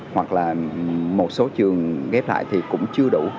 hoặc là một số trường ghép lại thì cũng chưa đủ